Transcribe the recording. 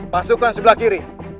pasukan sebelah kiri